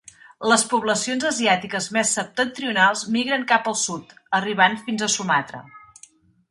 Les poblacions asiàtiques més septentrionals migren cap al sud, arribant fins a Sumatra.